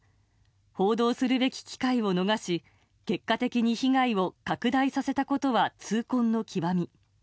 報道するべき機会を逃し結果的に被害を拡大させたことは痛恨の極み。